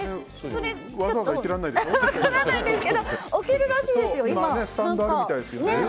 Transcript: それは分からないですけど置けるらしいですよ、今。